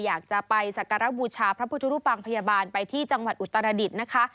อยากจะไปสักการะบูชาพระพุทธรูปังพยาบาลไปที่จังหวัดอุตรดิษฐ์นะคะ